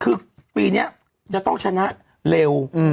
คือปีนี้จะต้องชนะเร็ว